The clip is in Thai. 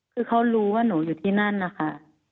คือเขารู้ว่าหนูอยู่ที่นั่นนะคะ